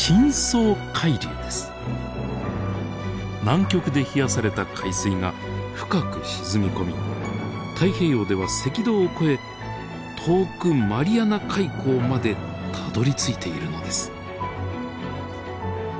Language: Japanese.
南極で冷やされた海水が深く沈み込み太平洋では赤道を越え遠くマリアナ海溝までたどりついているのです。